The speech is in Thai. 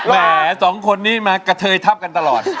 แหมสองคนนี้มากระเทยทับกันตลอด